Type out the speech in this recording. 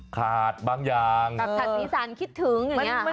ขาดบางอย่าง